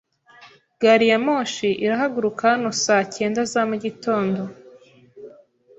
Gari ya moshi irahaguruka hano saa cyenda za mugitondo